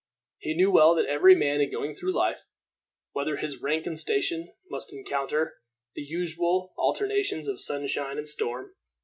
He knew well that every man in going through life, whatever his rank and station, must encounter the usual alternations of sunshine and storm.